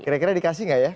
kira kira dikasih nggak ya